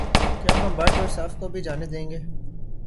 کیا ہم بٹ اور صف کو بھی جانے دیں گے